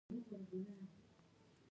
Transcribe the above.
زړه د مينې ځاى دى نه د کرکې.